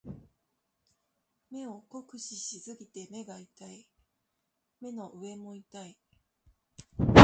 目を酷使しすぎて目が痛い。目の上も痛い。